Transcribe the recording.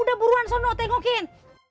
udah buruan sono tengokin